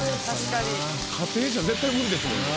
家庭じゃ絶対無理ですもんね。